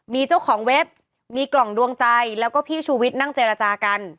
มีเจ้าของเว็บมีกล่องดวงใจแล้วก็พี่ชูวิทย์นั่งเจรจากัน